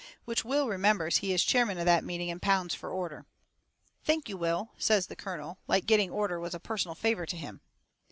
Which Will remembers he is chairman of that meeting and pounds fur order. "Thank you, Will," says the colonel, like getting order was a personal favour to him.